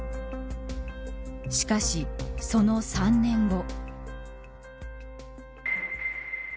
しかし、その３年後。